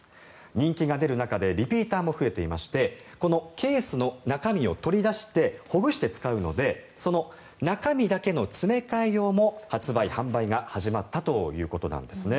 人気が出る中でリピーターも増えていましてケースの中身を取り出してほぐして使うのでその中身だけの詰め替え用も販売が始まったということなんですね。